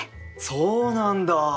そうなんだ。